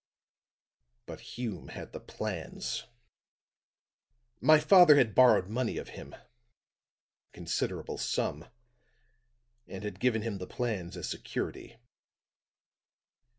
But Hume had the plans my father had borrowed money of him a considerable sum and had given him the plans as security.